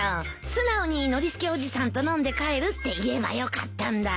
素直にノリスケおじさんと飲んで帰るって言えばよかったんだ。